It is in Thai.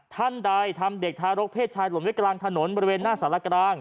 ท่านใดทำเด็กทารกเพศชายหล่นไว้กลางถนนบริเวณหน้าสารกลาง